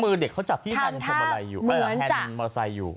ตระมือเด็กเขาจับที่มีแค่ไรอยู่